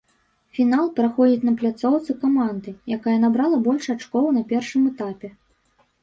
Фінал праходзіць на пляцоўцы каманды, якая набрала больш ачкоў на першым этапе.